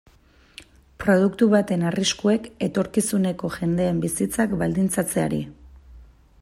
Produktu baten arriskuek etorkizuneko jendeen bizitzak baldintzatzeari.